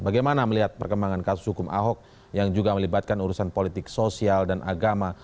bagaimana melihat perkembangan kasus hukum ahok yang juga melibatkan urusan politik sosial dan agama